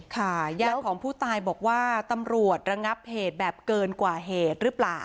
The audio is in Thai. ญาติของผู้ตายบอกว่าตำรวจระงับเหตุแบบเกินกว่าเหตุหรือเปล่า